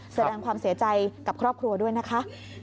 แสดงความเสียใจกับครอบครัวด้วยนะคะ